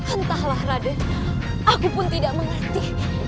entahlah raden aku pun tidak mengerti